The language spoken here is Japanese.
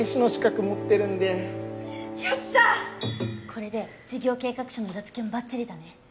これで事業計画書の裏付けもばっちりだね。